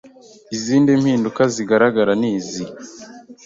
izindi mpinduka zigaragara nizi